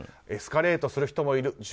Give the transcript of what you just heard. エスカレートする人もいる。